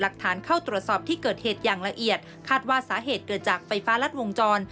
หลักฐานเข้าตรวจสอบที่เกิดเหตุอย่างละเอียดคาดว่าสาเหตุเกิดจากไฟฟ้ารัดวงจร